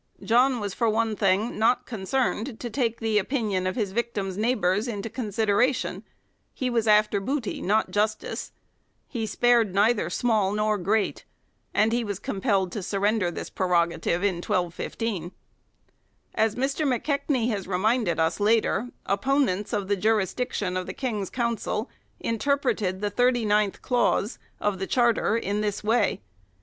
John was for one thing not con cerned to take the opinion of his victims' neighbours into consideration : he was after booty, not justice. He spared neither small nor great ; and he was com pelled to surrender this prerogative in 1215. As Mr. McKechnie has reminded us, later, opponents of the jurisdiction of the King's council interpreted the thirty ninth clause, of the Charter in this way.